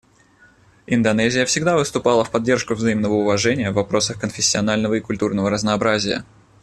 Индонезия всегда выступала в поддержку взаимного уважения в вопросах конфессионального и культурного разнообразия.